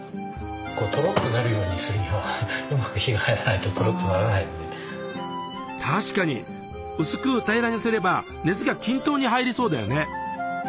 こうトロッとなるようにするには確かに薄く平らにすれば熱が均等に入りそうだよね。